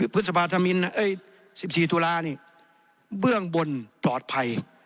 พฤษภาธมิณเอ้ยสิบสี่ธุระนี่เบื้องบนปลอดภัย